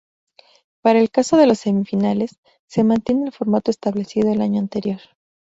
Para el caso de las semifinales, se mantiene el formato establecido el año anterior.